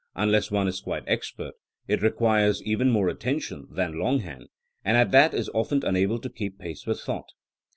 Unless one is quite expert it requires even more attention than longhand, and at that is often unable to keep pace with thought.